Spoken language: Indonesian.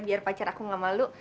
biar pacar aku gak malu